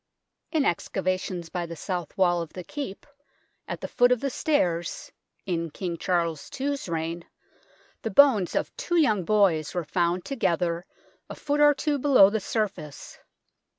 In excavations by the south wall of the Keep, at the foot of the stairs, in King Charles IFs reign, the bones of two young boys were found together a foot or two below the surface.